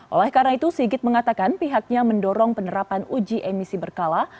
oleh karena itu sigit mengatakan pihaknya mendorong penerapan uji emisi berkala